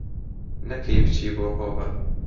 نەکەی بچی بۆ هۆبە